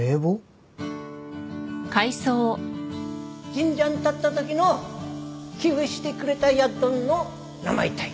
神社ん建ったときの寄付してくれたやっどんの名前たい。